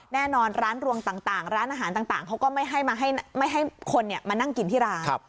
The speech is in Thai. แน่นอนร้านรวงต่างร้านอาหารต่างเขาก็ไม่ให้คนมานั่งกินที่ร้าน